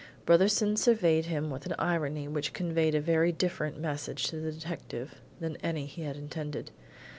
Brotherson surveyed him with an irony which conveyed a very different message to the detective than any he had intended.